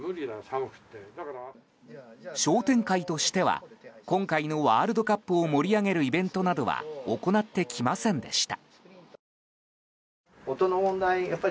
商店会としては、今回のワールドカップを盛り上げるイベントなどは行ってきませんでした。